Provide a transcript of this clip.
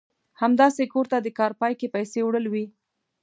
همداسې کور ته د کار پای کې پيسې وړل وي.